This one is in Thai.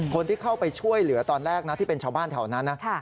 คนที่เข้าไปช่วยเหลือตอนแรกนะที่เป็นชาวบ้านแถวนั้นนะ